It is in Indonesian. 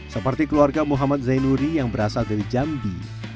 seperti keluarga muhammad zainuri yang berasal dari jambi